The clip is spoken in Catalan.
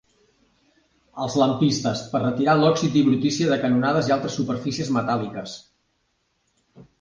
Els lampistes, per retirar l'òxid i brutícia de canonades i altres superfícies metàl·liques.